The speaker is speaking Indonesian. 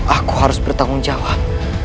aku harus bertanggung jawab